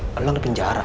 saya di penjara